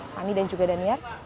pani dan juga daniel